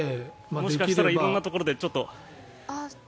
もしかしたら色んなところで。